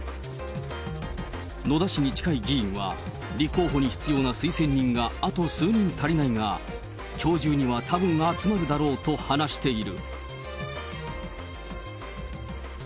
野田氏に近い議員は、立候補に必要な推薦人があと数人足りないが、きょう中にはたぶん集まるだろうと話している。